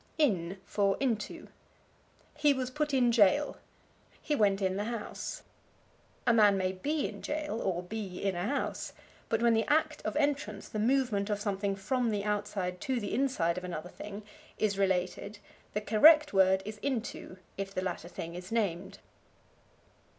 In for Into. "He was put in jail." "He went in the house." A man may be in jail, or be in a house, but when the act of entrance the movement of something from the outside to the inside of another thing is related the correct word is into if the latter thing is named.